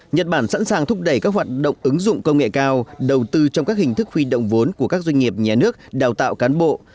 nhật bản sẵn sàng thúc đẩy các hoạt động ứng dụng công nghệ cao đầu tư trong các hình thức huy động vốn của các doanh nghiệp nhà nước đào tạo cán bộ